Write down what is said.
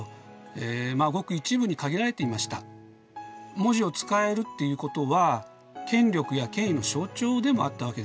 文字を使えるっていうことは権力や権威の象徴でもあったわけです。